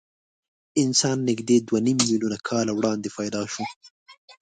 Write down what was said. انسان نږدې دوه نیم میلیونه کاله وړاندې پیدا شو.